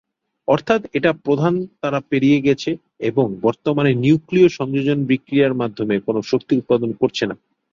অর্থাৎ এটা প্রধান তারা পেরিয়ে গেছে এবং বর্তমানে নিউক্লীয় সংযোজন বিক্রিয়ার মাধ্যমে কোন শক্তি উৎপাদন করছে না।